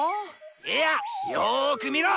いやっよーく見ろ！